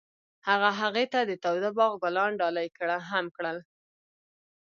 هغه هغې ته د تاوده باغ ګلان ډالۍ هم کړل.